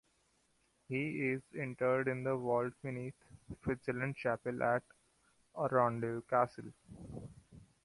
He is interred in the vault beneath the Fitzalan Chapel at Arundel Castle.